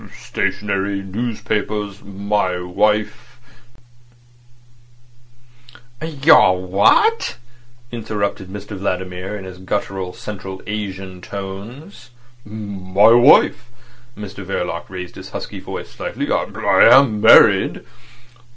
"Stationery, newspapers. My wife—" "Your what?" interrupted Mr Vladimir in his guttural Central Asian tones. "My wife." Mr Verloc raised his husky voice slightly. "I am married."